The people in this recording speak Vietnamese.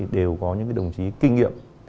đều có những đồng chí kinh nghiệm